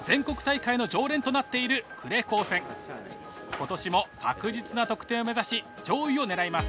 今年も確実な得点を目指し上位を狙います。